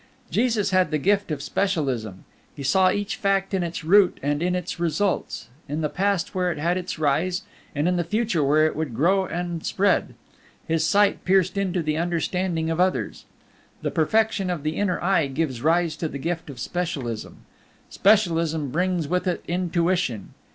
Jesus had the gift of Specialism; He saw each fact in its root and in its results, in the past where it had its rise, and in the future where it would grow and spread; His sight pierced into the understanding of others. The perfection of the inner eye gives rise to the gift of Specialism. Specialism brings with it Intuition.